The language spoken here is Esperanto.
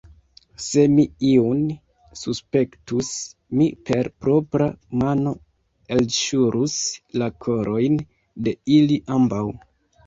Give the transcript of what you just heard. Se mi iun suspektus, mi per propra mano elŝirus la korojn de ili ambaŭ!